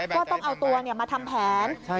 ก็ต้องเอาตัวมาทำแผน